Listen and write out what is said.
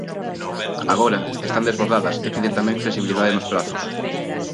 Agora, están desbordadas e piden tamén flexibilidade nos prazos.